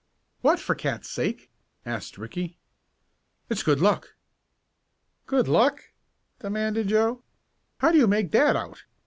"What, for cats' sake?" asked Ricky. "It's good luck!" "Good luck?" demanded Joe. "How do you make that out?